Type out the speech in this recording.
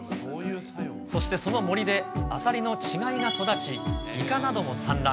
そしてその森でアサリの稚貝が育ち、イカなども産卵。